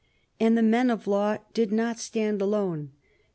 And the men of law did not stand alone.